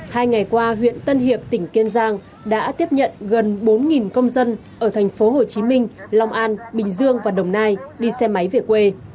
hai ngày qua huyện tân hiệp tỉnh kiên giang đã tiếp nhận gần bốn công dân ở thành phố hồ chí minh long an bình dương và đồng nai đi xe máy về quê